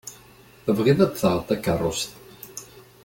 Tebɣiḍ ad d-taɣeḍ takeṛṛust.